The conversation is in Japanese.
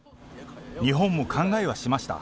日本も考えはしました。